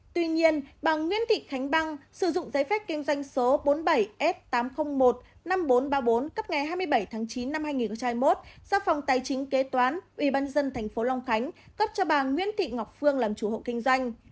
tuy nhiên bà nguyễn thị khánh băng sử dụng giấy phép kinh doanh số bốn mươi bảy f tám trăm linh một năm nghìn bốn trăm ba mươi bốn cấp ngày hai mươi bảy tháng chín năm hai nghìn hai mươi một do phòng tài chính kế toán ubnd tp long khánh cấp cho bà nguyễn thị ngọc phương làm chủ hộ kinh doanh